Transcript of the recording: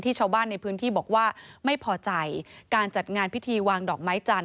ชาวบ้านในพื้นที่บอกว่าไม่พอใจการจัดงานพิธีวางดอกไม้จันท